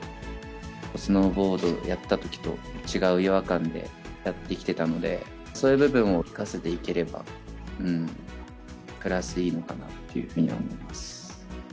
スノーボードをやったときと違う違和感でやってきてたので、そういう部分を生かせていければ、プラスいいのかなっていうふうに思います。